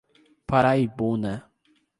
Paraibuna